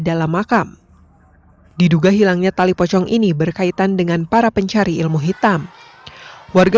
dalam makam diduga hilangnya tali pocong ini berkaitan dengan para pencari ilmu hitam warga